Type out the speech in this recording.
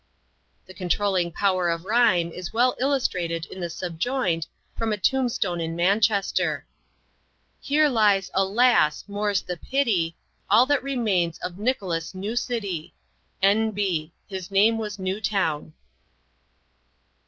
The controlling power of rhyme is well illustrated in the subjoined, from a tombstone in Manchester: "Here lies alas! more's the pity, All that remains of Nicholas Newcity. "N. B. His name was Newtown."